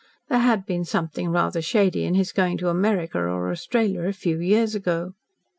There had been something rather shady in his going to America or Australia a few years ago.